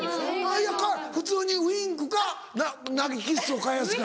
いや普通にウインクか投げキスを返すかやな。